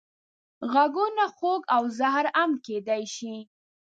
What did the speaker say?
غږونه خوږ او زهر هم کېدای شي